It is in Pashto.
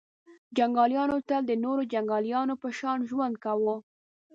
• جنګیالیو تل د نورو جنګیالیو په شان ژوند کاوه.